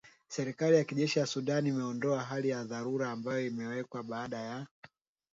Serikali ya kijeshi ya Sudan imeondoa hali ya dharura ambayo iliwekwa baada ya